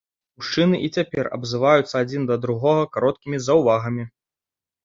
Мужчыны і цяпер абзываюцца адзін да другога кароткімі заўвагамі.